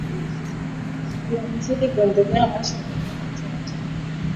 inavyozidi kuendelea mwisho ataondoka tu ata